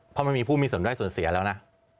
เพราะมันมีผู้มีส่วนได้ส่วนเสียแล้วนะ